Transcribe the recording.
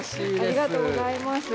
ありがとうございます。